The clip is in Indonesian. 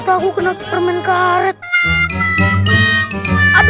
tuh dengarkan tarkotay